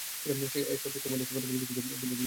সে এসবে তোদের সবার থেকে বেশি অভিজ্ঞ, বুঝেছো?